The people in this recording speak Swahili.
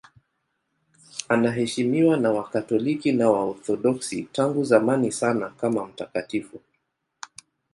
Anaheshimiwa na Wakatoliki na Waorthodoksi tangu zamani sana kama mtakatifu.